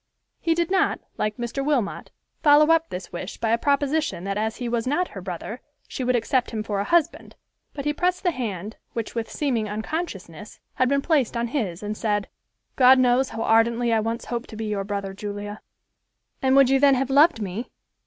He did not, like Mr. Wilmot, follow up this wish by a proposition that as he was not her brother she would accept him for a husband, but he pressed the hand, which, with seeming unconsciousness, had been placed on his, and said, "God knows how ardently I once hoped to be your brother, Julia." "And would you then have loved me?"